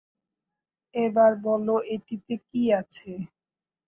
এবার বল এটিতে কী আছে?